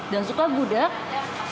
dan suka gudeg